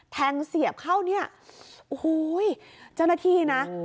เสียบเข้าเนี่ยโอ้โหเจ้าหน้าที่นะ